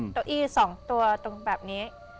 ตัวอี้สองตัวตรงแบบนี้